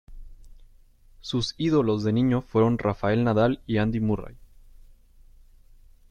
Sus ídolos de niño fueron Rafael Nadal y Andy Murray.